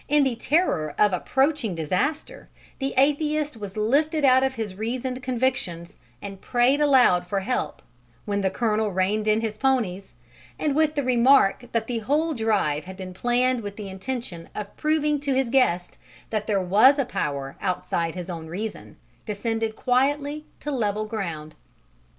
In the terror of approaching disaster, the atheist was lifted out of his reasoned convictions and prayed aloud for help, when the colonel reined in his ponies, and with the remark that the whole drive had been planned with the intention of proving to his guest that there was a power outside his own reason, descended quietly to level ground.